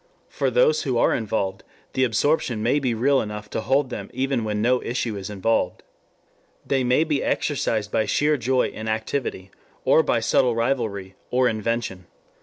For those who are involved the absorption may be real enough to hold them even when no issue is involved. They may be exercised by sheer joy in activity, or by subtle rivalry or invention.